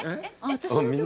私の曲？